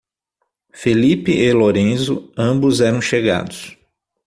Felipe e Lorenzo, ambos eram chegados.